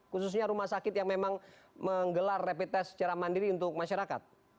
khususnya rumah sakit yang memang menggelar rapid test secara mandiri untuk masyarakat